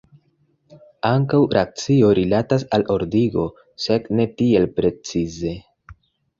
Ankaŭ racio rilatas al ordigo, sed ne tiel precize.